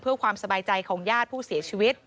เพื่อความสบายใจของญาติผู้เสียชีวิต